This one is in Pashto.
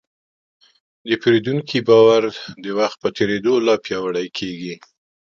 د پیرودونکي باور د وخت په تېرېدو لا پیاوړی کېږي.